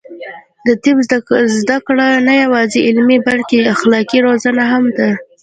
د طب زده کړه نه یوازې علمي، بلکې اخلاقي روزنه هم ده.